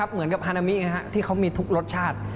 เหมือนกับฮานามิที่เขามีทุกรสชาติ